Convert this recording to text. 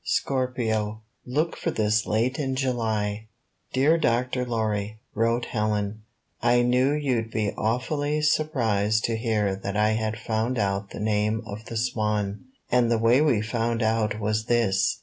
SCORPIO Look for this late in July "Dear Dr. Lorry/' wrote Helen, "I knew you'd be awfully surprised to hear that I had found out the name of the Swan. And the way we found out was this.